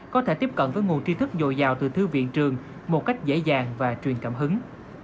có thể tiếp cận với nguồn tri thức dồi dào từ thư viện trường một cách dễ dàng và truyền cảm hứng